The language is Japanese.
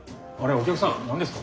お客さん何ですか？